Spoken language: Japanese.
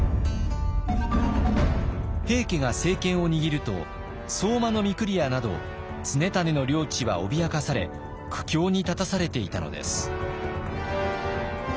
平家が政権を握ると相馬御厨など常胤の領地は脅かされ苦境に立たされていたのです。